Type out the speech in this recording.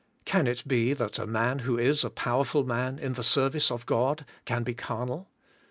Can it be that a man who is a powerful man in the service of God can be carnal?